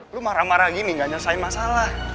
lu marah marah gini gak nyelesain masalah